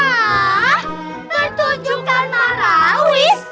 hah pertunjukan marawis